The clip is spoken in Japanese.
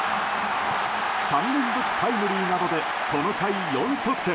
３連続タイムリーなどでこの回、４得点。